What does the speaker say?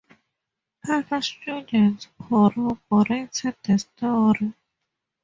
Other students corroborated the story.